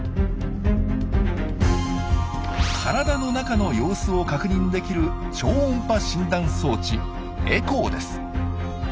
体の中の様子を確認できる超音波診断装置エコーです。